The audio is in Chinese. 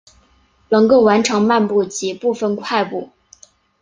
能够完成漫步及部份快步。